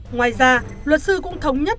ngoài ra luật sư cũng thống nhất